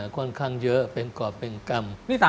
ค่อนข้างเยอะเป็นกรอบเป็นกรรม